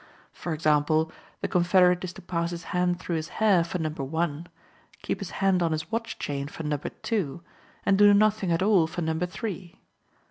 For example, the confederate is to pass his hand through his hair for number one; keep his hand on his watch chain for number two; and do nothing at all for number three.